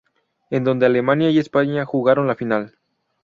En donde Alemania y España jugaron la final.